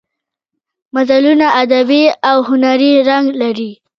متلونه ادبي او هنري رنګ لري